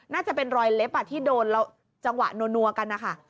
น่าจะเป็นรอยเล็บที่โดนจังหวะนัวกันนะคะ